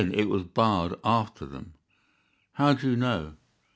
"Then it was barred after them." "How do you know?"